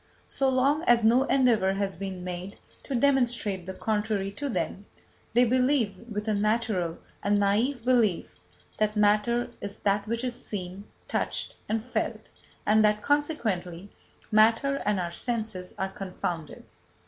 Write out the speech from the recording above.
So long as no endeavour has been made to demonstrate the contrary to them, they believe, with a natural and naïve belief, that matter is that which is seen, touched and felt, and that, consequently, matter and our senses are confounded.